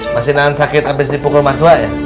masih nahan sakit abis dipukul mas wah ya